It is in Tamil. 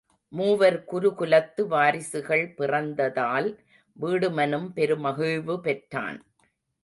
மூவர் குரு குலத்து வாரிசுகள் பிறந்ததால் வீடுமனும் பெரு மகிழ்வு பெற்றான்.